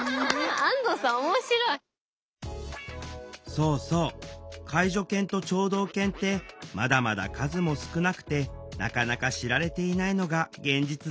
そうそう介助犬と聴導犬ってまだまだ数も少なくてなかなか知られていないのが現実なの。